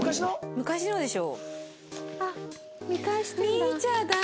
昔のでしょ。